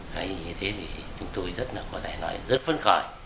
vậy thế thì chúng tôi rất là có thể nói là rất phân khỏi